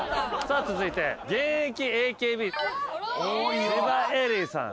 続いて現役ＡＫＢ千葉恵里さん。